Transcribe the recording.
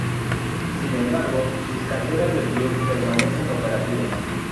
Sin embargo, sus canteras del club permanecen operativas.